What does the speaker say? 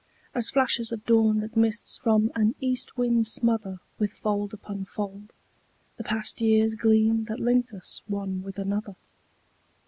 As flashes of dawn that mists from an east wind smother With fold upon fold, The past years gleam that linked us one with another.